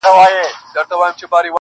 ستا له غمه مي بدن ټوله کړېږي,